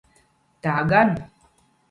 Tā gan.